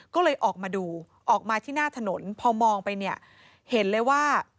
ก็เลยออกมาดูออกมาที่หน้าถนนพอมองไปเนี่ยเห็นเลยว่า